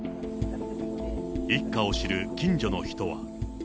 一家を知る近所の人は。